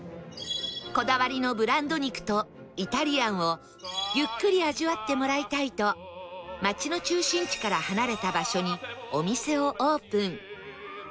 こだわりのブランド肉とイタリアンをゆっくり味わってもらいたいと街の中心地から離れた場所にお店をオープン